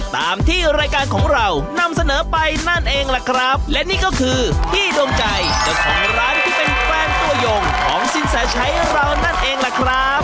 ตามที่รายการของเรานำเสนอไปนั่นเองล่ะครับและนี่ก็คือพี่ดวงใจเจ้าของร้านที่เป็นแฟนตัวยงของสินแสชัยเรานั่นเองล่ะครับ